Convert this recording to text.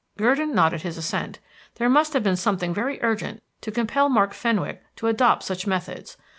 Gurdon nodded his assent. There must have been something very urgent to compel Mark Fenwick to adopt such methods.